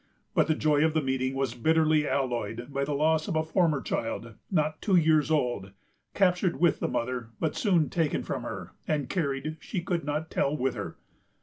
But the joy of the meeting was bitterly alloyed by the loss of a former child, not two years old, captured with the mother, but soon taken from her, and carried, she could not tell whither.